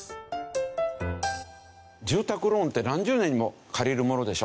住宅ローンって何十年も借りるものでしょ。